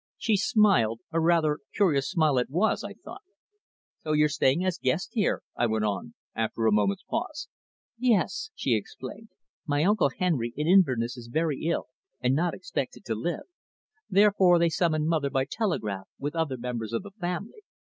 She smiled, a rather curious smile it was, I thought. "So you're staying as guest here?" I went on, after a moment's pause. "Yes," she explained. "My Uncle Henry, in Inverness, is very ill and not expected to live; therefore they summoned mother by telegraph, with other members of the family.